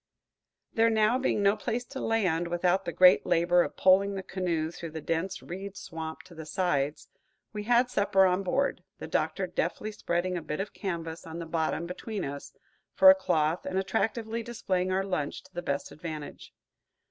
There now being no place to land, without the great labor of poling the canoe through the dense reed swamp to the sides, we had supper on board, the Doctor deftly spreading a bit of canvas on the bottom between us, for a cloth, and attractively displaying our lunch to the best advantage.